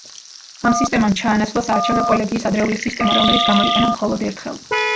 ამ სისტემამ ჩაანაცვლა საარჩევნო კოლეგიის ადრეული სისტემა, რომელიც გამოიყენა მხოლოდ ერთხელ.